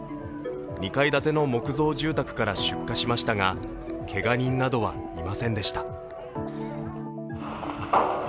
２階建ての木造住宅から出火しましたが、けが人などはいませんでした。